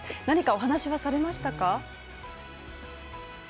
何かお話はされましたか？